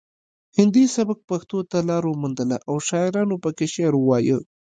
هندي سبک پښتو ته لار وموندله او شاعرانو پکې شعر وایه